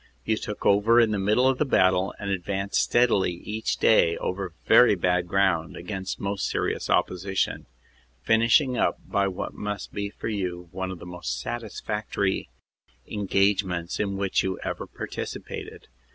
You took over in the middle of the battle and advanced steadily each day over very bad ground against most serious opposition, finishing up by what must be for you one of the most satisfactory engagements in which you ever partici pated.